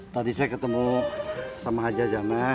tadi saya ketemu sama haji azamah